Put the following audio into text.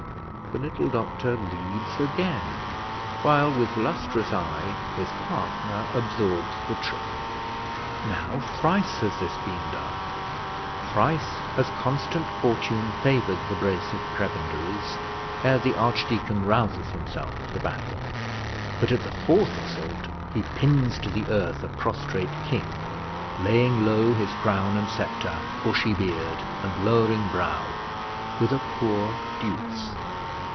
The little doctor leads again, while with lustrous eye his partner absorbs the trick. Now thrice has this been done, thrice has constant fortune favoured the brace of prebendaries, ere the archdeacon rouses himself to the battle; but at the fourth assault he pins to the earth a prostrate king, laying low his crown and sceptre, bushy beard, and lowering brow, with a poor deuce.